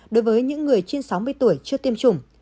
đối với những người trên sáu mươi tuổi chưa tiêm chủng